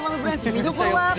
見どころは？